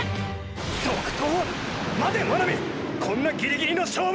即答⁉まて真波こんなギリギリの勝負！